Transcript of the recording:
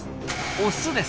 オスです。